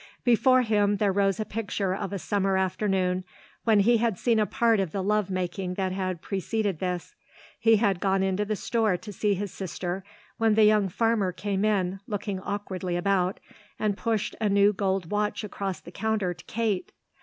Before him there rose a picture of a summer afternoon when he had seen a part of the love making that had preceded this. He had gone into the store to see his sister when the young farmer came in, looked awkwardly about and pushed a new gold watch across the counter to Kate.